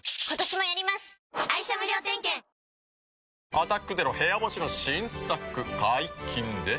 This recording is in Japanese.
「アタックＺＥＲＯ部屋干し」の新作解禁です。